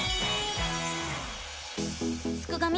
すくがミ！